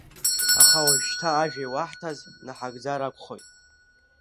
Аха уажәшьҭа ажәа иуаҳҭаз наҳагӡар акәхоит.